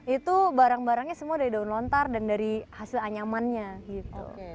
itu barang barangnya semua dari daun lontar dan dari hasil anyamannya gitu